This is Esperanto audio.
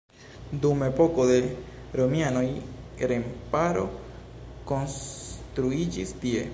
Dum epoko de romianoj remparo konstruiĝis tie.